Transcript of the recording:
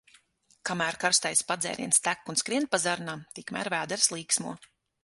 Kamēr karstais padzēriens tek un skrien pa zarnām, tikmēr vēders līksmo.